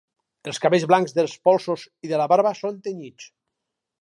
Els cabells blancs dels polsos i de la barba són tenyits.